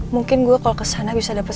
mungkin gue kalau kesana bisa dapat